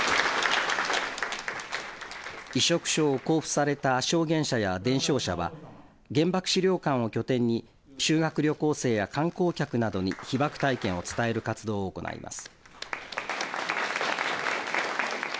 委嘱書を交付された証言者や伝承者は原爆資料館を拠点に修学旅行生や観光客などに被爆体験を伝える活動を行います。